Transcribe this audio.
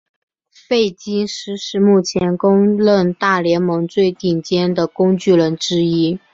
菲金斯是目前公认大联盟最顶尖的工具人之一。